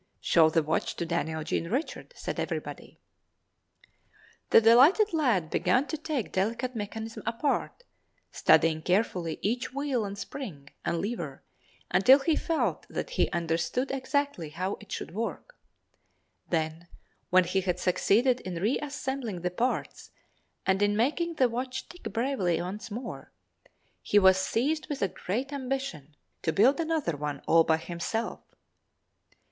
"Show the watch to Daniel Jean Richard" said everybody. The delighted lad began to take the delicate mechanism apart, studying carefully each wheel and spring and lever until he felt that he understood exactly how it should work. Then, when he had succeeded in reassembling the parts and in making the watch tick bravely once more, he was seized with a great ambition to build another one all by himself.